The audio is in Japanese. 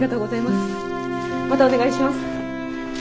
またお願いします。